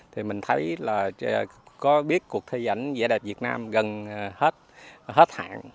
thì mình thấy là có biết cuộc thi ảnh vẻ đẹp việt nam gần hết hạn